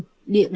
địa đồng tổ quốc